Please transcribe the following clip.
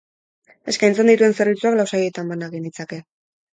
Eskaintzen dituen zerbitzuak lau sailetan bana genitzake.